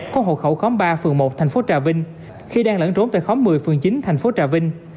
có hộ khẩu khóm ba phường một thành phố trà vinh khi đang lẫn trốn tại khóm một mươi phường chín thành phố trà vinh